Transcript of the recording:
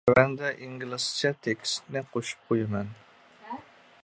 تۆۋەندە ئىنگلىزچە تېكىستنى قوشۇپ قويىمەن.